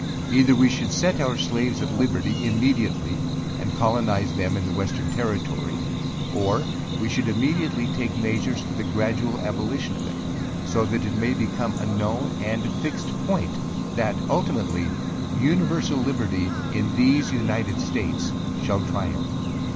Either we should set our slaves at liberty, immediately, and colonize them in the western territory;5 or we should immediately take measures for the gradual abolition of it, so that it may become a known, and fixed point, that ultimately, universal liberty, in these united states, shall triumph.